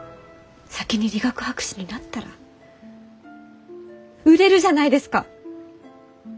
先に理学博士になったら売れるじゃないですか！